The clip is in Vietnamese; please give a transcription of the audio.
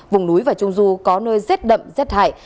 vùng núi và trung du có nơi rét đậm rét hại